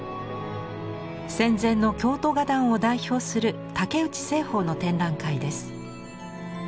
戦前の京都画壇を代表する竹内栖鳳の展覧会です。